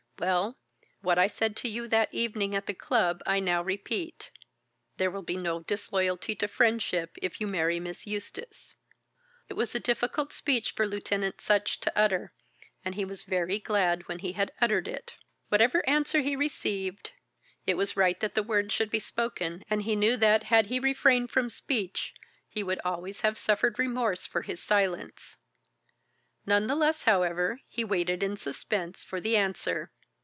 Well, what I said to you that evening at the club I now repeat. There will be no disloyalty to friendship if you marry Miss Eustace." It was a difficult speech for Lieutenant Sutch to utter, and he was very glad when he had uttered it. Whatever answer he received, it was right that the words should be spoken, and he knew that, had he refrained from speech, he would always have suffered remorse for his silence. None the less, however, he waited in suspense for the answer.